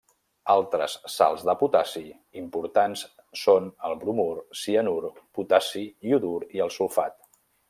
Altres sals de potassi importants són el bromur, cianur, potassi, iodur, i el sulfat.